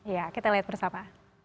ya kita lihat bersama